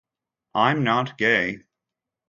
I'm not gay.